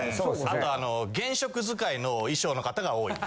あと原色使いの衣装の方が多い。